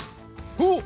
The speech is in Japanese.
おっ！